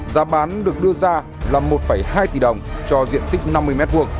giá bán được đưa ra là một hai tỷ đồng cho diện tích năm mươi m hai